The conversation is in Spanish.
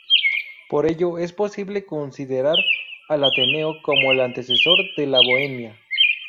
Por ello, es posible considerar al Ateneo como el antecesor de la Bohemia.